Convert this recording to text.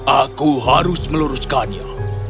aku harus meluruskannya